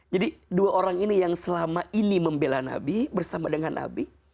dua orang ini yang selama ini membela nabi bersama dengan nabi